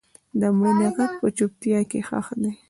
د مړینې غږ په چوپتیا کې ښخ دی.